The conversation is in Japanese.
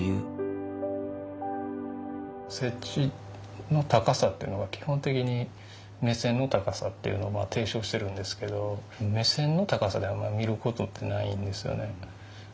設置の高さっていうのが基本的に目線の高さっていうのを提唱しているんですけど目線の高さであんまり見る事ってないんですよね。